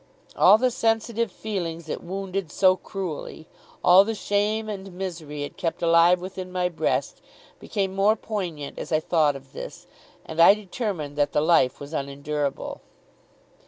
All the sensitive feelings it wounded so cruelly, all the shame and misery it kept alive within my breast, became more poignant as I thought of this; and I determined that the life was unendurable.